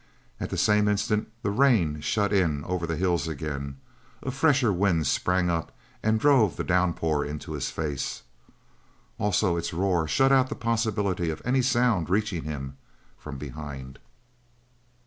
At the same instant the rain shut in over the hills again; a fresher wind sprang up and drove the downpour into his face. Also its roar shut out the possibility of any sound reaching him from behind.